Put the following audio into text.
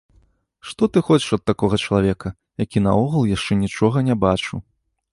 Што ты хочаш ад такога чалавека, які наогул яшчэ нічога не бачыў.